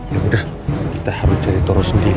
yaudah kita harus cari toro sendiri